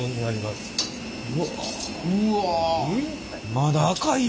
まだ赤いよ！